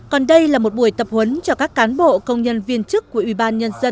còn đây là một buổi tập huấn cho các cán bộ công nhân viên chức của ubnd